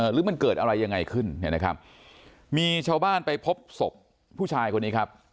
หรือมันเกิดอะไรยังไงขึ้นเนี่ยนะครับมีชาวบ้านไปพบศพผู้ชายคนนี้ครับ